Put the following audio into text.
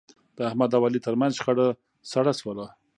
د احمد او علي ترمنځ شخړه سړه شوله.